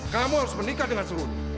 kamu harus menikah dengan surut